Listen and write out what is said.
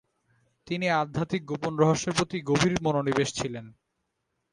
তিনি আধ্যাত্মিক গোপন রহস্যের প্রতি গভীর মনোনিবেশ ছিলেন ।